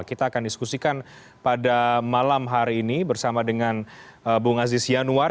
kita akan diskusikan pada malam hari ini bersama dengan bung aziz yanuar